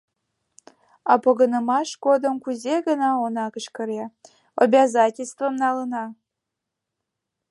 А погынымаш годым кузе гына она кычкыре: «Обязательствым налына!